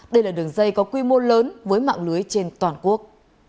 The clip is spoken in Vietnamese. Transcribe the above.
đây là đường dây có quy mô lớn với mạng lưới trên toàn quốc